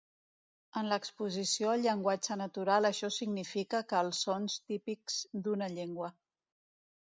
En l'exposició al llenguatge natural això significa que els sons típics d'una llengua.